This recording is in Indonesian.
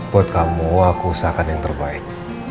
buat kamu aku usahakan yang terbaik